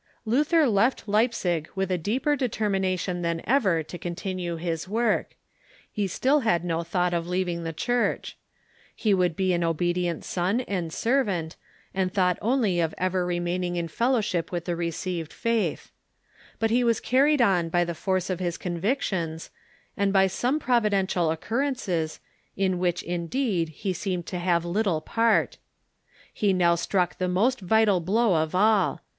Luther left Leipzig with a deeper determination than ever to continue his work. He still had no thought of leaving the ,. Church. He would be an obedient son and servant. Appeal to ..... the German and thought only of ever remaining in fellowship with Nation ^Yie received faith. But he was carried on by the force of his convictions, and by some providential occur rences, in which, indeed, he seemed to have little part. He now struck the most vital blow of all.